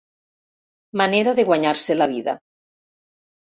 Manera de guanyar-se la vida.